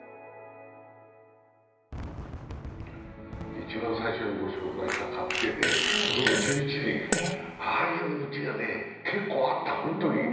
一番最初にご紹介した家庭で子供１１人、ああいううちが結構あった、本当に。